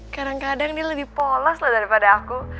kadang kadang dia lebih polos lah daripada aku